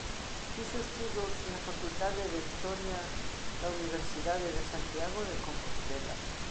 Fixo estudos na Facultade de Historia da Universidade de Santiago de Compostela.